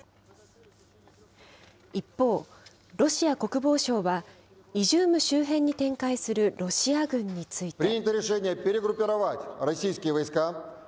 一方、ロシア国防省はイジューム周辺に展開するロシア軍について。